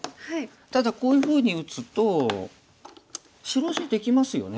ただこういうふうに打つと白地できますよね。